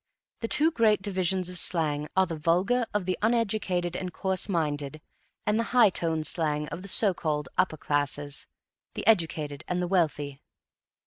The two great divisions of slang are the vulgar of the uneducated and coarse minded, and the high toned slang of the so called upper classes the educated and the wealthy.